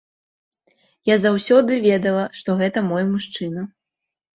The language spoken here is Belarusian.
Я заўсёды ведала, што гэта мой мужчына.